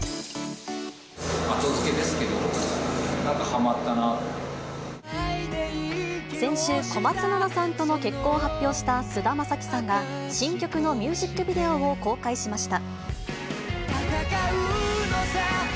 後付けですけど、なんかはま先週、小松菜奈さんとの結婚を発表した菅田将暉さんが、新曲のミュージックビデオを公開しました。